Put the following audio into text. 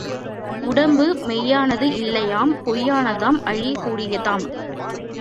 உடம்பு மெய்யானது இல்லையாம் பொய்யானதாம் அழியக் கூடியதாம்.